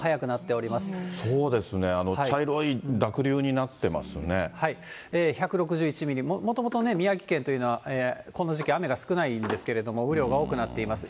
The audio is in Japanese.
そうですね、茶色い濁流にな１６１ミリ、もともとね、宮城県というのは、この時期、雨が少ないんですけれども、雨量が多くなっています。